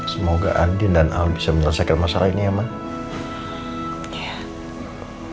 semoga andin dan al bisa menyelesaikan masalah ini ya mas